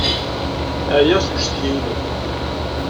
Ɛyiɣ seg ucetki-inem.